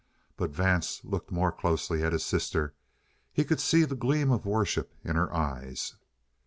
But Vance looked more closely at his sister. He could see the gleam of worship in her eyes.